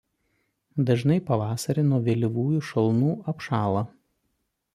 Dažnai pavasarį nuo vėlyvųjų šalnų apšąla.